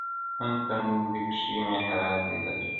هم تندي کښې دې محراب دے لاجواب دے